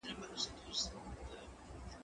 هغه وويل چي پوښتنه مهمه ده!؟